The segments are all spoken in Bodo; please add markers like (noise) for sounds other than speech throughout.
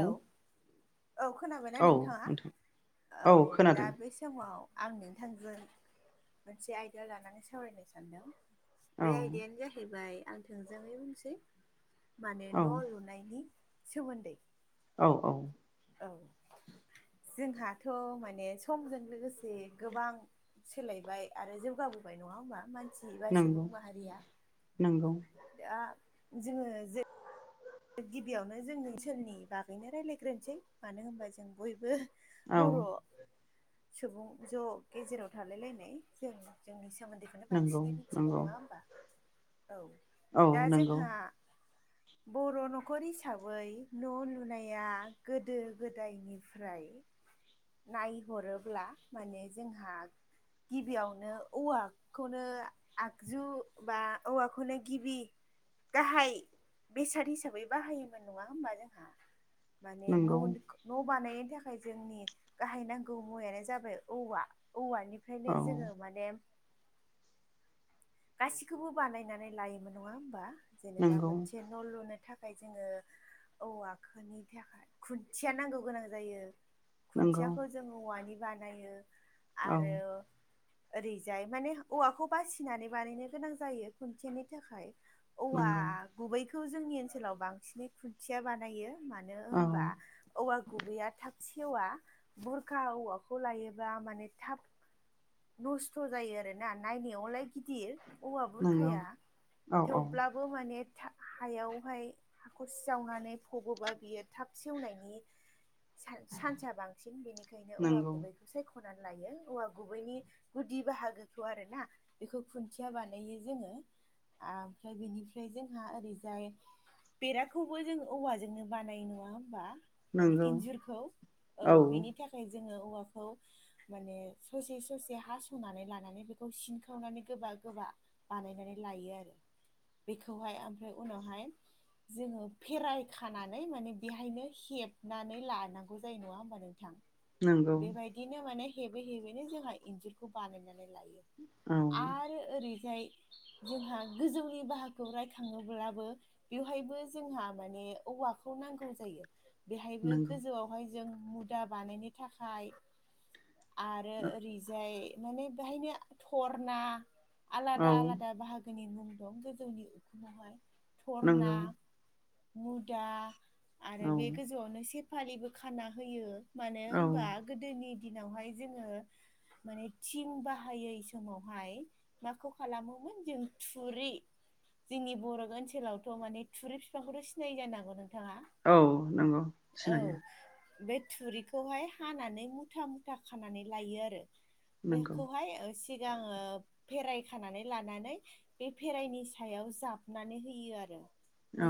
औ औ खोनाबायना औ नोंथाङा नोंथां औ दा बेसे समाव आं नोंथांजों मोनसे आयदा लानानै सावरायनो सानदों औ बे आयदायानो जाहैबाय आं थोंजोङै बुंसै माने औ न' लुनायनि सोमोन्दै औ औ औ जोंहाथ' माने समजों लोगोसे गोबां सोलायबाय आरो जौगाबोबाय नङा होमबा मानसि बा सुबुं माहारिया नोंगौ दा जोङो जे गिबियावनो जों ओनसोलनि बागैनो रायज्लायग्रोनोसै मानो होनबा जों बयबो औ बर' सुबुं ज' गेजेराव थालाय लायनाय जों जोंनि सोमोन्दै बेखौनो नंगौ बांसिनै मिथिगौ नंगौ नङा होमबा औ औ दा नंगौ जोंहा बर' न'खर हिसाबै न' लुनाया गोदो गोदायनिफ्राय नायहरोब्ला माने जोंहा गिबियावनो औवा खौनो आगजु बा औवाखौनो गिबि गाहाय बेसाद हिसाबै बाहायोमोन नङा होमबा जोंहा माने नंगौ न' न' बानायनो थाखाय जोंनि गाहाय नांगौ मुवायानो जाबाय औवा औवानिफ्रायनो औ जोङो माने गासिखौबो बानायनानै लायोमोन नङा होमबा जेनेबा नंगौ मोनसे न' लुनो थाखाय जोङो औवा खोनि थाखाय खुन्थिया नांगौ गोनां जायो। नंगौ खुन्थियाखौ जों औवानि बानायो औ आरो ओरैजाय माने औवाखौ बासिनानै बानायनो गोनां जायो खुन्थियानि थाखाय औवा नंगौ गुबैखौ जोंनि ओनसोलाव बांसिनै खुन्थिया बानायो मानो औ होनबा औवा गुबैया थाब सेवा बुरखा औवाखौ लायोबा माने थाब नस्थ' जायो आरो ना नायनायावलाय गिदिर औवा नंगौ बुरखाया औ औ थेवब्ला बो माने हायावहाय हाखरसे जावनानै फबोबा बियो थाब सेवनायनि सानस सानसा बांसिन बेनिखायनो औवा नंगौ गुबैखौ सायख'नानै लायो औवा गुबैनि गुदि बाहागोखौ आरोना बेखौ खुन्थिया बानायो जोङो आमफ्राय बेनिफ्राय जोंहा ओरैजाय बेराखौबो जों औवाजोंनो बानायो नङा होमबा माने नंगौ इन्जुरखौ औ बेनि था खाय जोङो औवाखौ माने ससे ससे हासंनानै लानानै बेखौ सिनखावनानै गोबा गोबा बानायनानै लायो आरो बेखौहाय आमफ्राय उनावहाय जोङो फेराय खानानै माने बेहायनो हेबनानै लानांगौ जायो नङा होमबा नों थां नंगौ बेबायदिनो माने हेबै हेबैनो जोंहा इन्जुरखौ बानायनानै लायो औ आरो ओरैजाय जोंहा गोजौनि बाहागोखौ रायखाङोब्लाबो बेवहायबो जोंहा माने औवाखौ नांगौ जायो बेहायबो नंगौ गोजौवावहाय जों मुदा बानायनो थाखाय आरो ओरै जाय माने बाहायनो थारना औ आलादा आलादा बाहागो नि मुं दं गोजौनि उखुमावहाय थरना नंगौ मुदा आरो औ बे गोजौवावनो सेफालिबो खाना होयो मानो औ होनबा गोदोनि दिनावहाय जोङो माने थिं बाहायै समावहाय माखौ खालामोमोन जों थुरि जोंनि बर' ओनसोलावथ' माने थुरि फि फांखौथ' सिनायो जानांगौ नोंथाङा औ नंगौ औ सिनायो बे थुरिखौहाय हानानै मुथा मुथा खानानै लायो आरो नंगौ बेखौहाय सिगाङो फेराय खानानै लानानै बे फेराइनि सायाव जाबनानै होयो आरो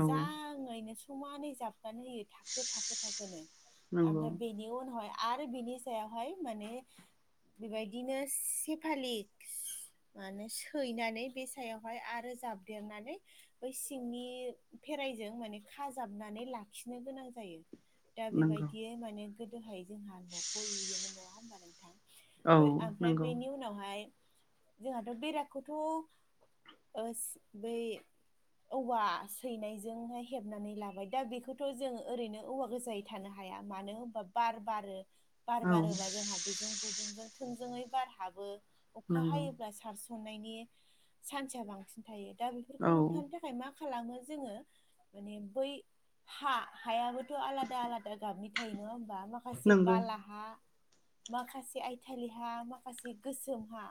औ समानै जाबनानै होयो थाखो थाखो थाखोनो नंगौ आमफ्राय बेनि उनावहाय आरो बिनि सायावहाय माने बेबायदिनो सेफालिक्स माने सैनानै बे सायावहाय आरो जाबदेरनानै बै सिंनि फेराइजों माने खाजाबनानै लाखिनो गोनां जायो दा नंगौ बेबायदियै माने गोदोहाय जोंहा नखौ लुयोमोन नङा होमबा नोंथां औ बै आमफ्राय नंगौ बैनि उनावहाय जोंहाथ' बेराखौथ' ओ बै औवा (unintelligible) नायजोंहाय हेबनानै लाबाय दा बेखौथ' जों ओरैनो औवा गोजायै थानो हाया मानो होनबा बार बारो बार औ बारोबा जोंहा बेजों गुदुंजों थोंजोङै बार हाबो अखा नंगौ हायोब्लासो सारसननायनि सानसा बांसिन थायो दा औ बेफोरखौ होबथानो थाखाय मा खालामो जोङो माने बै हा हायाबोथ' आलादा आलादा गाबनि थायो नङा होमबा माखा माखासे नंगौ बालाहा माखासे आयथालि हा माखासे गोसोम हा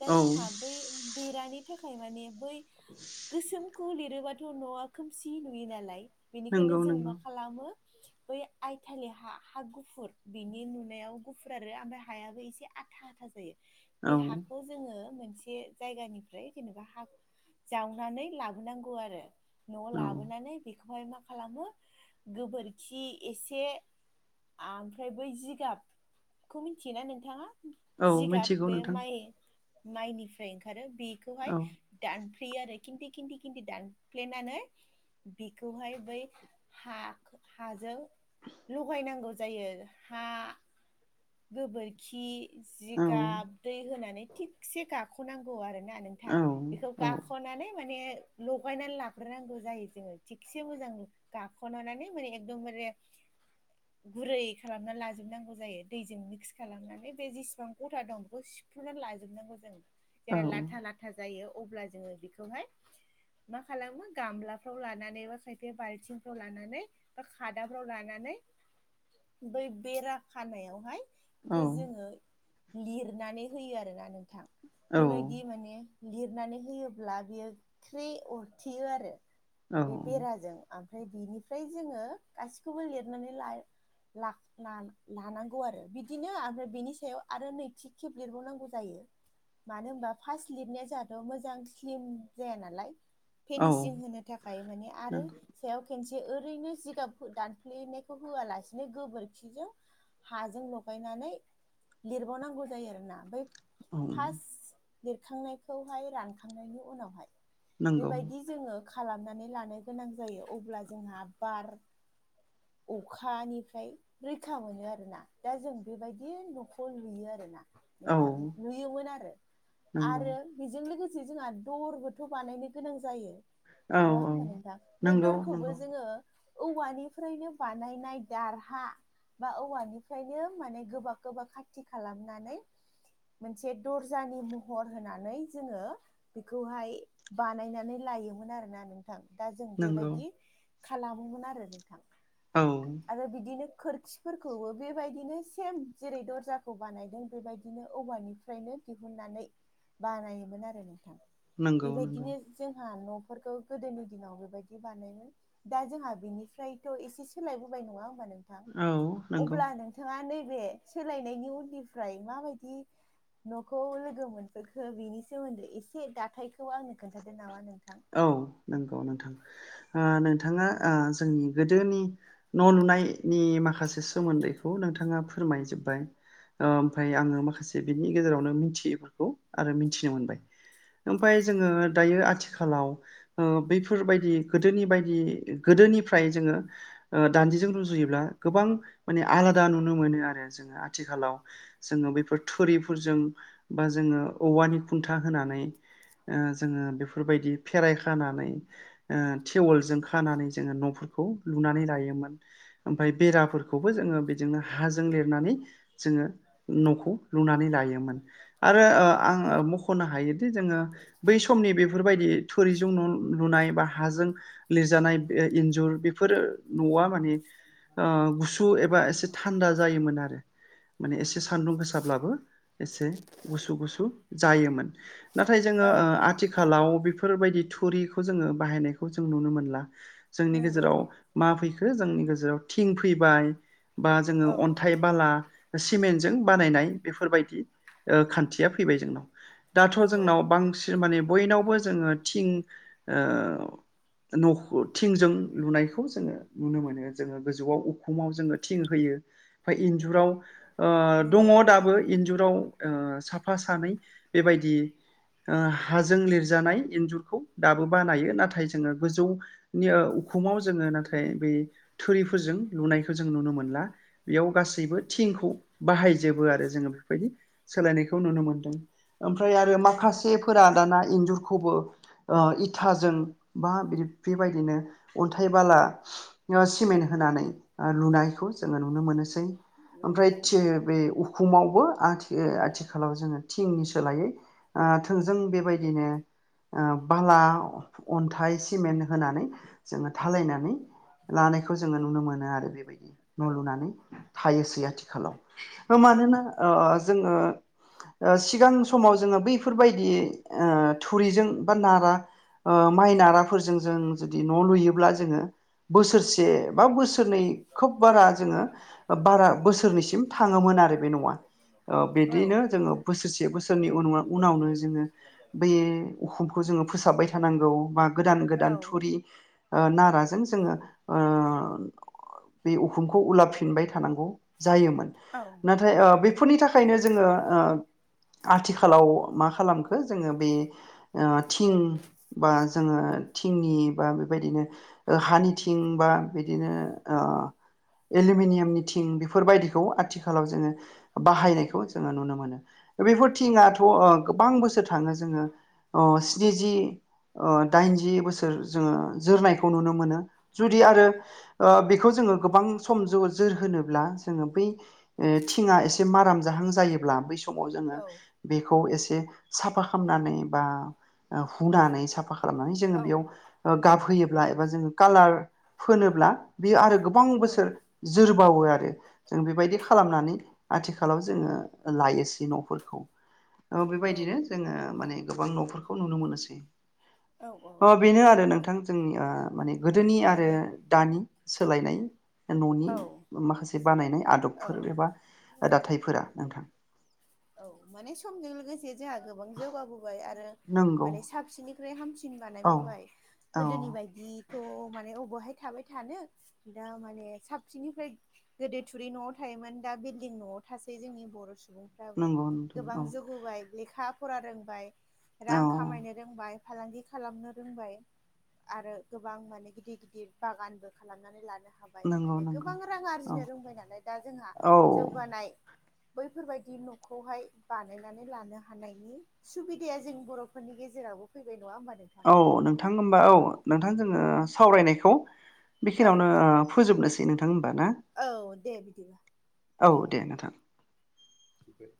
दा औ जोंहा बै बेरानि थाखाय माने बै गोसोमखौ लिरोबाथ' न'वा खोमसि नुयो नालाय बेनिखायनो नंगौ जों मा नंगौ खालामो बै आइथालि हा हा गुफुर बिनि नुनायाव गुफुर आरो आमफाय हायाबो एसे आ था आथा जायो औ बे हाखौ जोङो मोनसे जायगानिफ्राय जेनेबा हा जावनानै लाबोनांगौ आरो न'वाव औ लाबोनानै बेखौहाय मा खालामो गोबोरखि एसे ओमफ्राय बै जिगाबखौ मिथियोना नोंथाङा औ जिगाब मिथिगौ बे नोंथां माइ माइनिफ्राय ओंखारो बेखौहाय औ दानफेयो आरो खिन्थि खिन्थि खिन्थि दान फ्लेनानै बिखौहाय बै हा हाजों लगायनांगौ जायो हा गोबोरखि औ जिगाब दै होनानै थिगसे गाख'नांगौ आरोना नों थां औ बेखौ औ गाखोननानै माने लगायनानै लाग्रोनांगौ जायो जोङो थिगसे मोजां गाख'नानै माने एकदमबारे गुरै खालामना लाजोबनांगौ जायो दैजों मिक्स खालामनानै बे जेसेबां गथा दं बेखौ सिफ्रुना लाजोबनांगौ जों जेरा लाथा लाथा जायो अब्ला जोङो बेखौहाय मा खालामो गामलाफ्राव लानानै एबा खायफाया बाल्थिंफ्राव लानानै बा खादाफ्राव लानानै बै बेरा खानायाव औ बेखौ जोङो लिरनानै होयो आरोना नोंथां औ बेबाय बिदि माने लिरनानै होयोब्ला बियो ख्रे अरथेयो आरो औ बे बेराजों ओमफ्राय बेनिफ्राय जोङो गासिखौबो लिरनानै ला ला ला लानां गौ आरो बिदिनो मफ्राय बेनि सायाव आरो नैथि खेब लिरबावनांगौ जायो मानो होनबा फार्स्ट लिबनाया जोंहाथ' मोजां स्लिम जाया नालाय औ फिनिसिं होनो थाखाय माने आरो सायाव खेनसे ओरैनो जिगाब दानफ्लेनायखौ होआलासिनो गोबोरखिजों हाजों लगायनानै लिरबावनांगौ जायो आरोना बै फार्स्ट लिरखांनायखौहाय रानखांनायनि उनावहाय नंगौ बेबायदि जोङो खालामनानै लानो गोनां जायो अब्ला जोंहा बार अखानिफ्राय रैखा मोनो आरो ना दा जों बेबायदि न'खौ लुयो आरो ना औ नोंथां लुयोमोन आरो नंगौ आरो बेजों लोगोसे जोंहा दरबोथ' बानायनो गोनां जायो औ नंगौ औ नङा औ होमबा नोंथां बे नंगौ दरखौबो नंगौ जोङो औवानि फ्रायनो बानायनाय दारहा बा औवानिफ्रायनो माने गोबा गोबा खाथि खालामनानै मोनसे दरजानि महर होनानै जोङो बेखौहाय बानायनानै लायोमोन आरोना नों थां दा जों नंगौ बेबायदि खालामोमोन आरो नोंथां औ आरो बिदिनो खोरखिफोरखौबो बेबायदिनो सेम जेरै दरजाखौ बानायदों बेबायदिनो औवानि फ्रायनो दिहुननानै बानायोमोन आरो नोंथां नंगौ नंगौ बेबायदिनो जोंहा न'फोरखौ गोदोनि दिनाव बेबायदि बानायोमोन दा जोंहा बिनिफ्राय थ' एसे सोलायबोबाय नङा होमबा नोंथां औ नंगौ अब्ला नों थाङा नैबे सोलायनायनि उननिफ्राय माबायदि न'खौ लोगो मोनफैखो बिनि सोमोन्दै एसे दाथायखौ आंनो खोन्थादो नामा नोंथां औ नंगौ नोंथां आ नोंथाङा ओ जोंनि गोदोनि न' नुनायनि माखासे सोमोन्दैखौ नोंथाङा फोरमाय जोब्बाय ओमफाय आङो माखासे बिनि गेजेरावनो मिथियैफोरखौ आरो मिथिनो मोनबाय ओमफाय जोङो दायो आथि खालाव बैफोरबायदि गोदोनि बायदि गोदोनिफ्राय जोङो ओ दाननिजों रुजुयोब्ला गोबां माने आलादा नुनो मोनो आरो जोङो आथिखालाव जोङो बेफोर थुरिफोरजों बा जोङो औवानि खुन्था होनानै ओ जोङो बेफोरबायदि फेराय खानानै ओ थेवलजों खानानै जोङो न'फोरखौ लुनानै लायोमोन ओमफ्राय बेराफोरखौबो जोङो बिदिनो हाजों लिरनानै जोङो न'खौ लुनानै लायोमोन आरो आं खनो हायोदि जोङो बै समनि बेफोरबायदि थुरिजों लुनाय बा हाजों लिरजानाय इन्जुर बेफोरो न'आ माने गुसु एबा एसे थान्दा जायोमोन आरो। माने एसे सान्दुं गोसाब्लाबो एसे गुसु गुसु जायोमोन। नाथाय जोङो औ आथिखालाव बेफोरबायदि थुरिखौ जोङो बाहायनायखौ जों नुनो मोनला। जोंनि नंगौ गेजेराव मा फैखो जोंनि गेजेराव थिं फैबाय बा जोङो औ अन्थाइ बालाम बानायनाय बेफोरबायदि ओ खान्थिया फैबाय जोंनाव। दाथ' नंगौ जोंनाव बांसिन माने बयनावबो जोङो थिं नखर थिंजों लुनायखौ जोङो नुनो मोनो जोङो गोजौआव उखुमाव जोङो थिं होयो ओमफ्राय इन्जुराव ओ दङ नंगौ दाबो इन्जुराव ओ साफा सानै बेबायदि ओ हाजों लिरजानाय इन्जुरखौ दाबो बानायो नाथाय जोङो गोजौ नि उखुमाव जोङो नाथाय बे थुरिफोरजों लुनायखौ जों नुनो मोनला। बेयाव गासैबो थिंखौ बाहायजोबो आरो जोङो बेबायदि सोलायनायखौ नुनो मोनदों ओमफ्राय आरो माखासे फोरा दाना इन्जुरखौबो ओ इथाजों बा बि बेबायदिनो अन्थाइ बाला सिमेन्ट होनानै ओ लुनायखौ जोङो नुनो मोनोसै। ओमफ्राय नंगौ थि बे फुमावबो आथि आथिखालाव जोङो थिंनि सोलायै ओ थोंजों बेबायदिनो ओ बाला अन्थाइ सिमेन्ट होनानै जोङो थालायनानै लानायखौ जोङो नुनो मोनो आरो। औ न' लुनानै थायोसै आथिखालाव औ मानोना ओ ओ जोङो सिगां ओ समाव जोङो बै बेफोरबायदि ओ थुरिजों बा नारा ओ माइ नाराफोरजों जों जुदि न' लुयोब्ला जोङो बोसोरसे बा बोसोरनै खोब बारा जोङो बारा बोसोरनिसिम थाङोमोन आरो बे न'आ। औ बिदिनो जोङो बोसोरसे बोसोरनि उनावनो जोङो बे अखुमखौ जोङो फोसाबबाय थानांगौ बा गोदान गोदान थुरि ओ नाराजों जोङो ओ बे उखुमखौ उलाफिनबाय थानांगौ जायोमोन। औ नाथाय ओ बेफोरनि थाखायनो जोङो ओ आथिखाल आथिखालाव मा खालामखो जोङो बे ओ थिं बा जोङो थिंनि बा बेबायदिनो ओ हानिथिं बा बिदिनो ओ एलमिनियामनि थिं बेफोरबायदिखौ आथिखालाव जोङो बाहायनायखौ जोङो नुनो मोनो। बेफोर थिङाथ' अ गोबां बोसोर थाङो जोङो अ स्निजि ओ दाइनजि बोसोर जोङो जोरनायखौ नुनो मोनो जुदि आरो ओ बेखौ जोङो गोबां सम जौ ओ जोर होनोब्ला जोङो बै थिंङा एसे माराम जाहां जायोब्ला बै सम समाव जोङो औ बेखौ एसे साफा खालामनानै बा ओ हुनानै सा सा खालामनानै जोङो बेयाव गाबहोयोब्ला एबा जोङो कालार फोनोब्ला बेयो आरो गोबां औ बोसोर जोरबावो आरो। जों बेबायदि खालामनानै आथिखालाव जोङो लायोसै न'फोरखौ औ बेबायदिनो जोङो माने गोबां न'फोरखौ नुनो मोनोसै औ औ अ बेनो आरो नोंथां जोंनिया माने गोदोनि आरो माने दानि सोलायनाय न'नि औ माखासे बानायनाय आदबफोर औ एबा दाथायफोरा नोंथां औ माने समजों लोगोसे जोंहा गोबां जौगाबोबाय आरो नंगौ माने साबसिन फ्राय हामसिन औ बानायबोबाय औ गोदोनि बायदि थ' माने अब'हाय थाबाय थानो दा माने साबसिननिफ्राय गोदो थुरि न'आव थायोमोन दा बिल्डिं न'आव थासै जोंनि बर' सुबुं फोराबो नंगौ नोंथां गोबां औ जौगबाय लेखा फरा रोंबाय रां औ खामायनो रोंबाय फालांगि खालामनो रोंबाय आरो गोबां माने गिदिर गिदिर बागानबो खालामनानै लानो हा बाय नंगौ माने नंगौ गोबां रां औ आरजिनो रोंबाय नालाय दा जोंहा औ जौगानाय बैफोरबाय दि न'खौहाय बानायनानै लानो हानायनि सुबिदाया जों बर'फोरनि गेजेरावबो फैबाय नङा होमबा नों औ नोंथां होमबा औ नोंथां जोङो सावरायनायखौ औ बेखिनियावनो फोजोबनोसै नोंथां होनबा ना औ दे बिदिबा औ दे दे नोंथां फाय